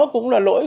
cũng là lỗi